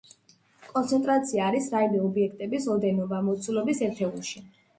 კონცენტრაცია არის რაიმე ობიექტების ოდენობა მოცულობის ერთეულში.